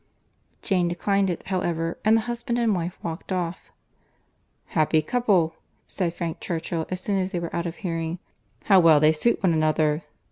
Jane declined it, however, and the husband and wife walked off. "Happy couple!" said Frank Churchill, as soon as they were out of hearing:—"How well they suit one another!